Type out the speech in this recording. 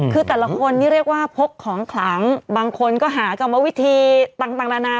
คือแต่ละคนนี่เรียกว่าพกของขลังบางคนก็หากรรมวิธีต่างนานา